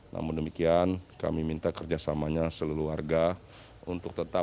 namun demikian kami minta kerjasamanya seluarga